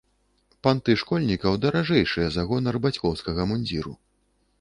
Панты школьнікаў даражэйшыя за гонар бацькоўскага мундзіру.